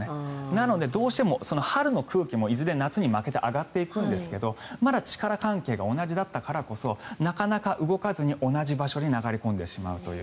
なので、どうしても春の空気もいずれ夏に負けて上がっていくんですがまだ力関係が同じだったからこそなかなか動かずに、同じ場所に流れ込んでしまうという。